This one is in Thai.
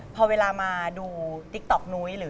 พอเวลามาดูติ๊กต๊อกหนุ้ย